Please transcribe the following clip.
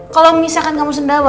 kalau misalkan kamu sendawa